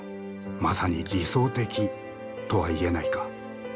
まさに理想的とは言えないか。